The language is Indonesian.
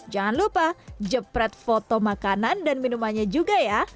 jangan lupa jepret foto makanan dan minumannya juga ya